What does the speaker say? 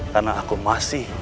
karena aku masih